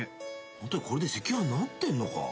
ホントにこれで赤飯になってんのか？